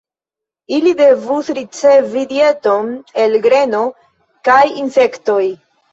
Ili devus ricevi dieton el greno kaj insektoj.